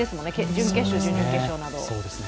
準決勝、準々決勝など。